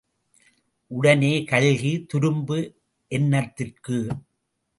உடனே கல்கி துரும்பு என்னத்திற்கு?